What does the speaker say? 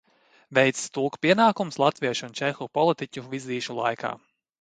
Veicis tulka pienākumus latviešu un čehu politiķu vizīšu laikā.